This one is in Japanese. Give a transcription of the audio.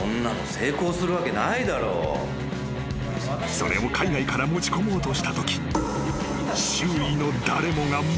［それを海外から持ち込もうとしたとき］